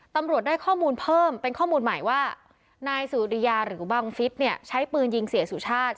ตำรวจได้ข้อมูลเพิ่มเป็นข้อมูลใหม่ว่านายสุริยาหรือบังฟิศเนี่ยใช้ปืนยิงเสียสุชาติ